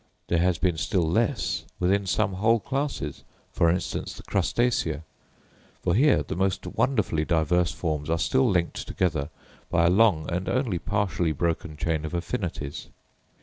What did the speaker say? There has been still less within some whole classes, for instance the Crustacea, for here the most wonderfully diverse forms are still linked together by a long and only partially broken chain of affinities.